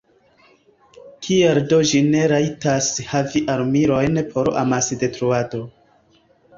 Kial do ĝi ne rajtas havi armilojn por amasdetruado?